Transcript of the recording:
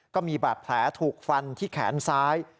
ก็มีบาดแผลถูกฟันที่แขนซ้าย